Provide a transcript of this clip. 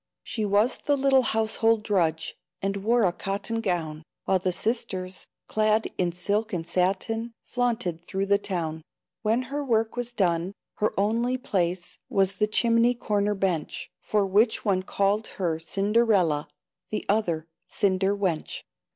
She was the little household drudge, And wore a cotton gown, While the sisters, clad in silk and satin, Flaunted through the town. When her work was done, her only place Was the chimney corner bench. For which one called her "Cinderella," The other, "Cinder wench."